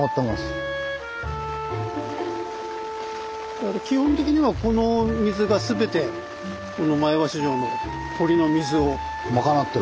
だから基本的にはこの水が全てこの前橋城の堀の水を。賄ってる。